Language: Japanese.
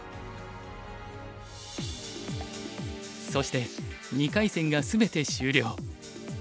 そして２回戦が全て終了。